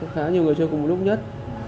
khá nhiều người chơi cùng lúc nhất